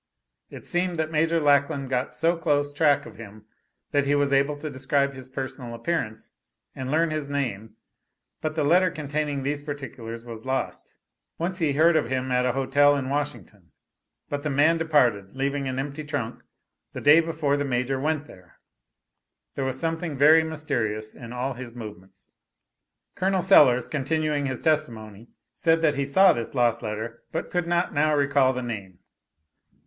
It seemed that Major Lackland got so close track of him that he was able to describe his personal appearance and learn his name. But the letter containing these particulars was lost. Once he heard of him at a hotel in Washington; but the man departed, leaving an empty trunk, the day before the major went there. There was something very mysterious in all his movements. Col. Sellers, continuing his testimony, said that he saw this lost letter, but could not now recall the name.